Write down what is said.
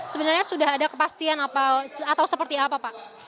sebenarnya sudah ada kepastian atau seperti apa pak